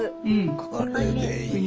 「これでいい？」